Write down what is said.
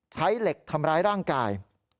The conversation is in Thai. ใช้เหล็กทำร้ายร่างกาย